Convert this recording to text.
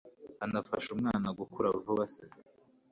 anafashe umwana gukura vubas